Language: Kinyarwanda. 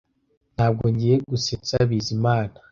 Ntabwo ngiye gusetsa Bizimana .